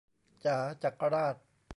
จ๋า จักราช